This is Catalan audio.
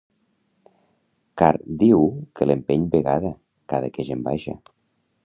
Car diu que l'empeny vegada cada que gent baixa.